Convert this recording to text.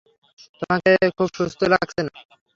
তোমাকে খুব সুস্থ লাগছে না।